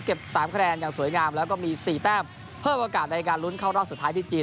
๓คะแนนอย่างสวยงามแล้วก็มี๔แต้มเพิ่มโอกาสในการลุ้นเข้ารอบสุดท้ายที่จีน